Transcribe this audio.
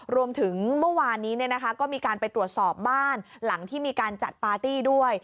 รวมถึงเมื่อวานนี้ก็มีการไปตรวจสอบบ้านหลังที่มีการจัดปาร์ตี้ด้วย